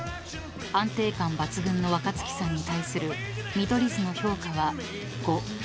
［安定感抜群の若槻さんに対する見取り図の評価は５］